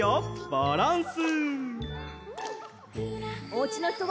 バランス！